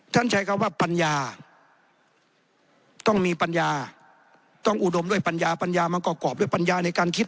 ใช้คำว่าปัญญาต้องมีปัญญาต้องอุดมด้วยปัญญาปัญญามันก็กรอบด้วยปัญญาในการคิด